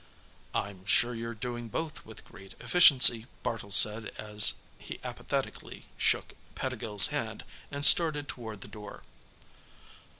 "I'm sure you're doing both with great efficiency," Bartle said as he apathetically shook Pettigill's hand and started toward the door.